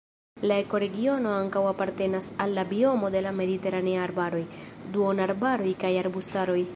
La ekoregiono ankaŭ apartenas al la biomo de la mediteraneaj arbaroj, duonarbaroj kaj arbustaroj.